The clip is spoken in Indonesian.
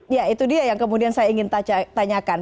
ya itu dia yang kemudian saya ingin tanyakan